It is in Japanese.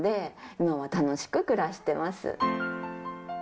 今は楽しく暮らしてます。